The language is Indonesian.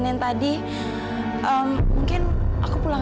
ya udah aku pusing